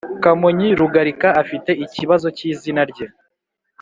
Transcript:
Kamonyi Rugarika Afite ikibazo cy izina rye